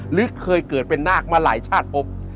หรือเคยเกิดเป็นนาคมาหลายชาติพบ